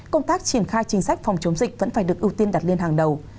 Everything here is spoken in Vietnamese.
công tác triển khai chính sách phòng chống dịch vẫn phải được ưu tiên đặt lên hàng đầu